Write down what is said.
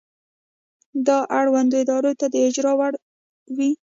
دا اړوندو ادارو ته د اجرا وړ وي.